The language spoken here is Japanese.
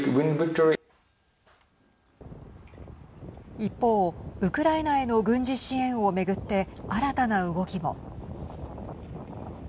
一方、ウクライナへの軍事支援を巡って新たな動きも。